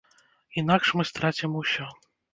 Інакш мы страцім усё.